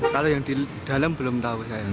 kalau yang di dalam belum tahu saya